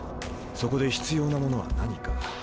そこで必要なものは何か？